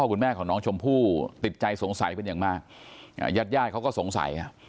คุณแม่ของน้องชมพู่ติดใจสงสัยเป็นอย่างมากญาติญาติเขาก็สงสัย